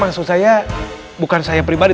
maksud saya bukan saya pribadi